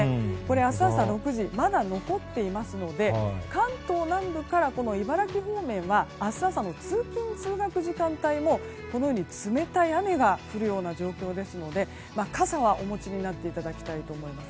明日朝６時まだ残っていますので関東南部から茨城方面は明日朝の通勤・通学時間帯も冷たい雨が降るような状況ですので、傘はお持ちになっていただきたいと思います。